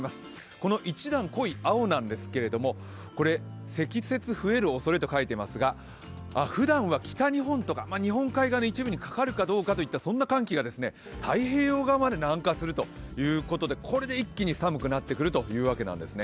この一段濃い青なんですけれども、これ、積雪増えるおそれと書いてありますがふだんは北日本とか日本海側にかかるかなぐらいのそんな寒気が太平洋側まで南下してこれで一気に寒くなってくるというわけなんですね。